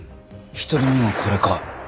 １人目がこれか。